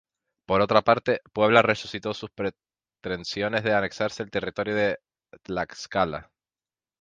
Por otra parte, Puebla resucitó sus pretensiones de anexarse el territorio de Tlaxcala.